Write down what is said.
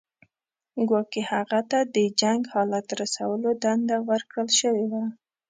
ګواکې هغه ته د جنګ حالت ته رسولو دنده ورکړل شوې وه.